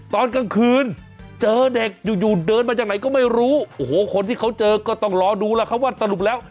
ตอนกลางคืนเจอเด็กอยู่อยู่เดินมาจากไหนก็ไม่รู้โอ้โหคนที่เขาเจอก็ต้องรอดูแล้วครับว่าสรุปแล้ว